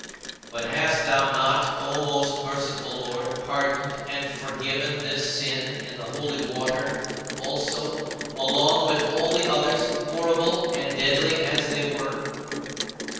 But hast thou not, O most merciful Lord, pardoned and forgiven this sin in the holy water also, along with all the others, horrible and deadly as they were?